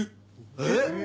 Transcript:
えっ？